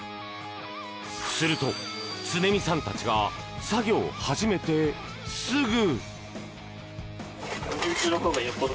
すると、常見さんたちが作業を始めてすぐ。